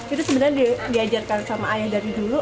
itu sebenarnya diajarkan sama ayah dari dulu